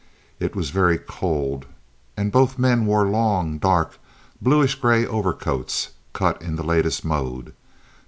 It was very cold, and both men wore long, dark, bluish gray overcoats, cut in the latest mode.